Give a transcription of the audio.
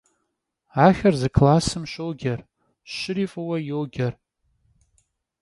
Axer zı klassım şoce, şıri f'ıue yoce.